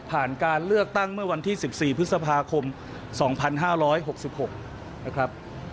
การเลือกตั้งเมื่อวันที่๑๔พฤษภาคม๒๕๖๖นะครับ